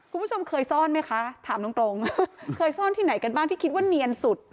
คุณผู้ชมเคยซ่อนไหมคะถามตรงเคยซ่อนที่ไหนกันบ้างที่คิดว่าเนียนสุด